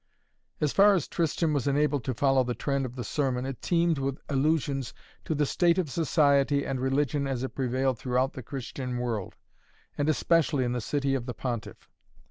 As far as Tristan was enabled to follow the trend of the sermon it teemed with allusions to the state of society and religion as it prevailed throughout the Christian world, and especially in the city of the Pontiff.